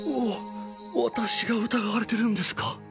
わ私が疑われてるんですか？